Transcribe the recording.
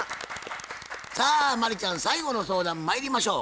さあ真理ちゃん最後の相談まいりましょう。